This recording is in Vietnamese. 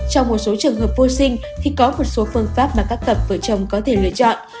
trong một số trường hợp vô sinh thì có một số phương pháp mà các cặp vợ chồng có thể lựa chọn